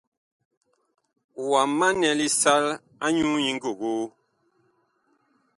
Wa manɛ lisal anyuu nyi ngogoo ?